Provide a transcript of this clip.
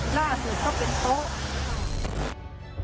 หน้าสูตรก็เป็นโต๊ะ